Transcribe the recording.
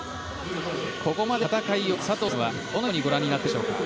ここまでの戦いを佐藤さんはどのようにご覧になっていますか。